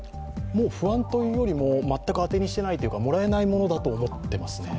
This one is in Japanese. もう不安というよりも、全く当てにしていないというかもらえないものだと思ってますね。